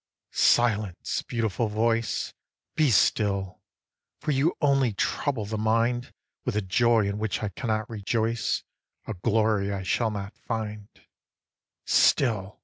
3. Silence, beautiful voice! Be still, for you only trouble the mind With a joy in which I cannot rejoice, A glory I shall not find. Still!